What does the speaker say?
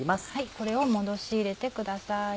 これを戻し入れてください。